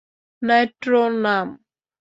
Nitro, নাম।